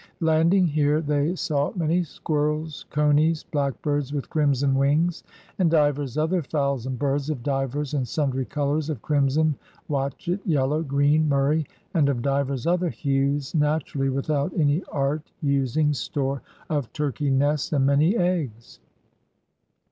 Landing here, they saw '*many squireb, conies. Black Birds with crimson wings, and divers other Fowles and Birds of divers and sundrie colours of crimson, watchet. Yellow, Greene, Murry, and of divers other hewes natur ally without any art using •.. store of Turkic nests and many Egges.''